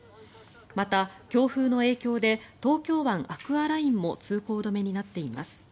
また強風の影響で東京湾アクアラインも通行止めになっています。